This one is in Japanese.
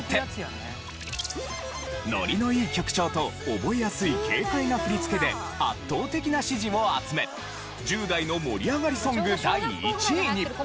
ノリのいい曲調と覚えやすい軽快な振り付けで圧倒的な支持を集め１０代の盛り上がりソング第１位に。